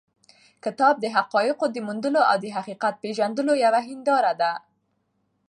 کتاب د حقایقو د موندلو او د حقیقت د پېژندلو یوه هنداره ده.